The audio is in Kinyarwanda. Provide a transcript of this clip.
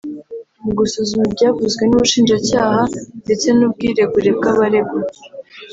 Mu gusuzuma ibyavuzwe n’Ubushinjacyaha ndetse n’ubwiregure bw’abaregwa